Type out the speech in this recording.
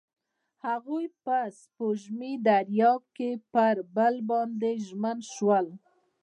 هغوی په سپوږمیز دریا کې پر بل باندې ژمن شول.